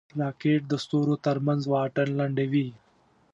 راکټ د ستورو ترمنځ واټن لنډوي